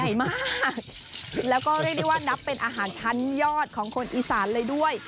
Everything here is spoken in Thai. ใหญ่มากแล้วก็เรียกได้ว่านับเป็นอาหารชั้นยอดของคนอีสานเลยด้วย